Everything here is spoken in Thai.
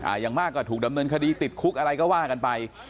อย่างมากก็ถูกดำเนินคดีติดคุกอะไรก็ว่ากันไป